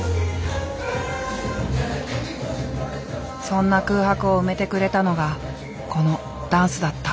そんな空白を埋めてくれたのがこのダンスだった。